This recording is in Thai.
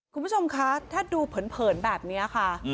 คุณผู้ชมคะถ้าดูเผินแบบนี้ค่ะ